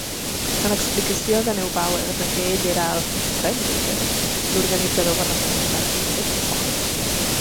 A l'explicació de Neubauer de que ell era el "Rennleiter", l'organitzador va respondre: Ets boig?